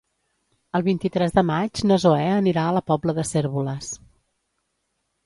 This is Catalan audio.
El vint-i-tres de maig na Zoè anirà a la Pobla de Cérvoles.